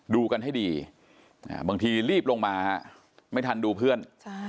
ดูกันให้ดีบางทีรีบลงมาไม่ทันดูเพื่อน